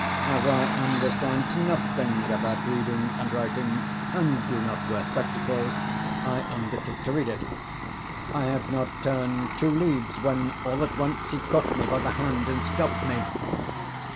As I understand nothing about reading and writing, and do not wear spectacles, I undertook to read it. I had not turned two leaves when all at once he caught me by the hand and stopped me.